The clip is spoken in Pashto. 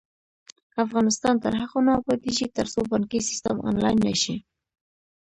افغانستان تر هغو نه ابادیږي، ترڅو بانکي سیستم آنلاین نشي.